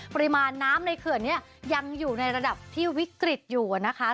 ปริมาณน้ำในเขื่อนนี้ยังอยู่ในระดับที่วิกฤตอยู่นะคะ